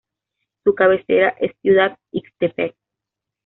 Su cabecera es Ciudad Ixtepec.